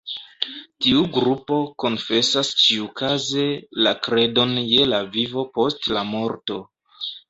Tiu grupo konfesas ĉiukaze la kredon je la vivo post la morto.